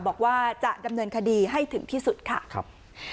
บอกว่าจะดำเนินคดีให้ถึงที่สุดค่ะครับ